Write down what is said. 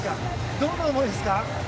どんな思いですか。